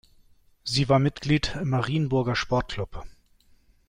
Sie war Mitglied im Marienburger Sport-Club.